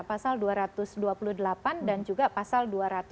pasal dua ratus dua puluh delapan dan juga pasal dua ratus enam puluh